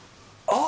あ！